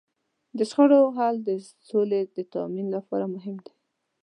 د شخړو حل د سولې د تامین لپاره مهم دی.